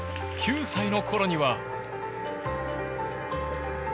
９歳のころには。